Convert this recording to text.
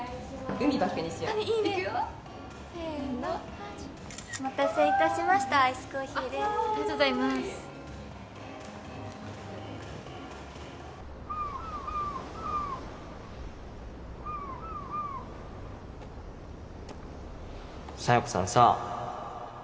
海バックにしよういくよせーのお待たせいたしましたアイスコーヒーですありがとうございます佐弥子さんさあ